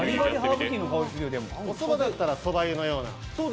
おそばだったらそば湯のような。